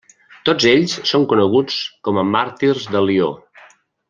Tots ells són coneguts com a Màrtirs de Lió.